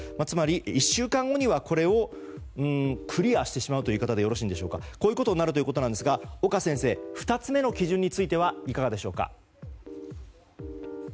つまり、１週間後にはこれをクリアしてしまうという言い方でよろしいんでしょうかこういうことになるということですが、岡先生２つ目の基準についてはいかがでしょうか。